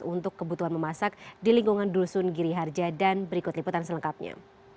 untuk kebutuhan memasak di lingkungan dusun giri harja dan berikut liputan selengkapnya